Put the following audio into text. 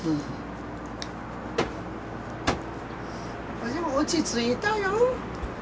これでも落ち着いたよ。